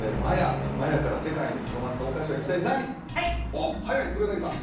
おっ早い黒柳さん